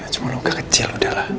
cuma luka kecil udahlah